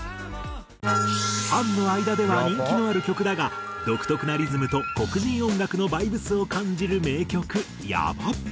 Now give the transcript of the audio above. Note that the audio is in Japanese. ファンの間では人気のある曲だが独特なリズムと黒人音楽のバイブスを感じる名曲『やば。』。